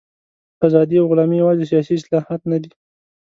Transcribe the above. ازادي او غلامي یوازې سیاسي اصطلاحات نه دي.